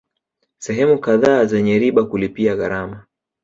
Sehemu kadhaa zenya riba kulipia gharama